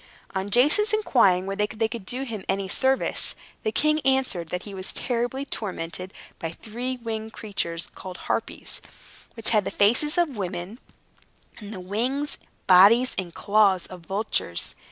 On Jason's inquiring whether they could do him any service, the king answered that he was terribly tormented by three great winged creatures, called Harpies, which had the faces of women, and the wings, bodies, and claws of vultures.